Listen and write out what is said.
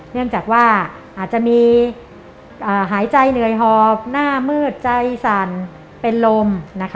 เนื่องจากว่าอาจจะมีหายใจเหนื่อยหอบหน้ามืดใจสั่นเป็นลม